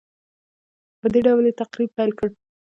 په دې ډول یې تقریر پیل کړ.